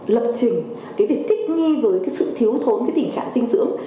lập trình cái việc thích nghi với cái sự thiếu thốn cái tình trạng dinh dưỡng